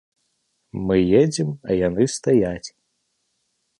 Мы едзем, а яны стаяць.